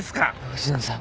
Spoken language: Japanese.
星野さん。